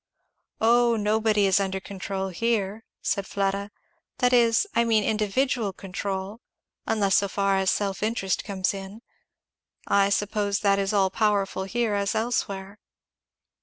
"Oh nobody is under control here," said Fleda. "That is, I mean, individual control. Unless so far as self interest comes in. I suppose that is all powerful here as elsewhere."